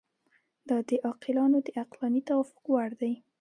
دا د عاقلانو د عقلاني توافق وړ دي.